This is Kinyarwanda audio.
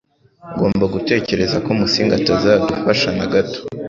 Ugomba gutekereza ko Musinga atazadufasha na gato.